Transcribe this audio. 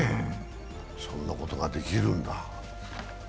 そんなことができるんだ。